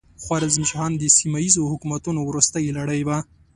خوارزم شاهان د سیمه ییزو حکومتونو وروستۍ لړۍ وه.